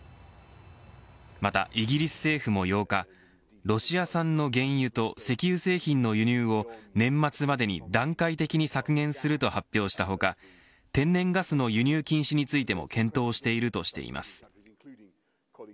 またイギリス政府も８日ロシア産の原油と石油製品の輸入を、年末までに段階的に削減すると発表した他天然ガスの輸入禁止についても検討しているとしています。